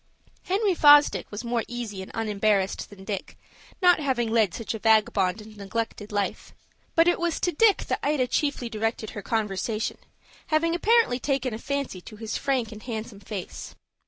Henry Fosdick was more easy and unembarrassed than Dick, not having led such a vagabond and neglected life. But it was to Dick that Ida chiefly directed her conversation, having apparently taken a fancy to his frank and handsome face.